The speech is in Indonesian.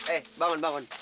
eh bangun bangun